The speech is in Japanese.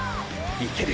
いける！！